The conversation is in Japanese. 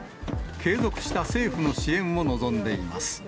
継続した政府の支援を望んでいます。